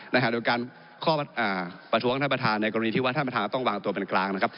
โดยการข้อประท้วงท่านประธานในกรณีที่ว่าท่านประธานต้องวางตัวเป็นกลางนะครับ